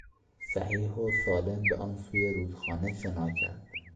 صحیح و سالم به آن سوی رودخانه شنا کرد.